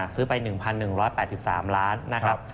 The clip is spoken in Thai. ซื้อไป๑๑๘๓ล้านนะครับ